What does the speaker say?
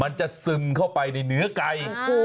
มันจะซึมเข้าไปในเนื้อไก่